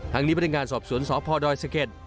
นี้พนักงานสอบสวนสพดอยสะเก็ด